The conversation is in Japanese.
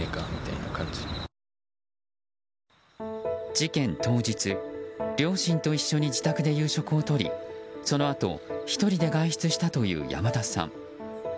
事件当日両親と一緒に自宅で夕食をとりそのあと、１人で外出したという山田さん。